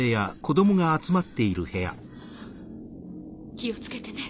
気をつけてね。